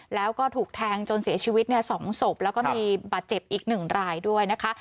แล้วก็ถูกแทงจนเสียชีวิต๒ศพแล้วก็มีบาดเจ็บอีก๑รายด้วยนะคะ